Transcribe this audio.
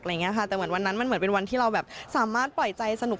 เพราะมันเป็นวันเป็นวันที่เราสามารถปล่อยใจสนุก